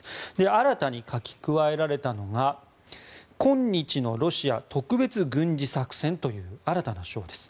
新たに書き加えられたのが「今日のロシア特別軍事作戦」という新たな章です。